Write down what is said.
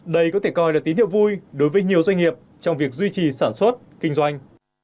đây có thể coi là tín hiệu vui đối với nhiều doanh nghiệp trong việc duy trì sản xuất kinh doanh